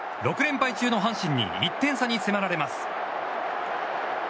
６連敗中の阪神に１点差に迫られます。